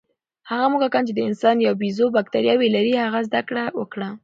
هغه موږکان چې د انسان یا بیزو بکتریاوې لري، ښه زده کړه وکړه.